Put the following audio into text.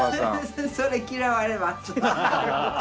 それ嫌われます。